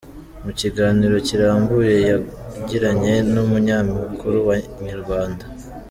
Mu kiganiro kirambuye yagiranye n’umunyamakuru wa Inyarwanda.